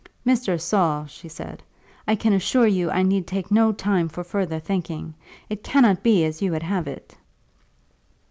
"Mr. Saul," she said, "I can assure you I need take no time for further thinking. It cannot be as you would have it."